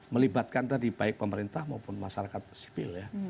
melibatkan tadi baik pemerintah maupun masyarakat sipil ya